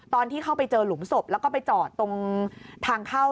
ตอนที่เข้าไปเจอหลุมศพแล้วก็ไปจอดตรงทางเข้า